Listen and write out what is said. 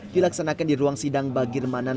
dilaksanakan di ruang sidang bagir manan